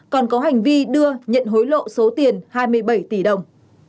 còn có hành vi đưa nhận hối lộ số tiền hai mươi bảy tỷ đồng